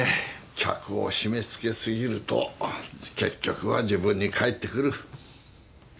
客を締めつけ過ぎると結局は自分に返ってくる。